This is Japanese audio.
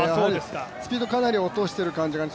スピードかなり落としてる感じが。